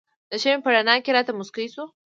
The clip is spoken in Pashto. د شمعې په رڼا کې راته مسکی شو.